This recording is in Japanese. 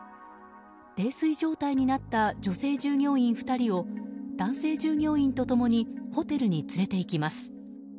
泥酔状態になった女性従業員２人を男性従業員と共にホテルに連れていきます。